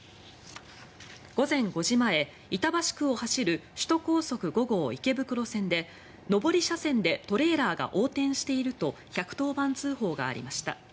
午前５時前、板橋区を走る首都高速５号池袋線で上り車線でトレーラーが横転していると１１０番通報がありました。